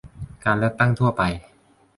การเลือกตั้งทั่วไป